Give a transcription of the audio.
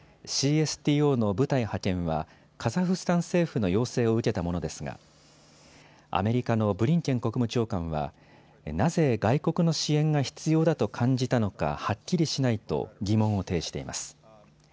ＣＳＴＯの部隊派遣はカザフスタン政府の要請を受けたものですがアメリカのブリンケン国務長官はなぜ外国の支援が必要だと感じたのかはっきりしないと疑問を呈しています。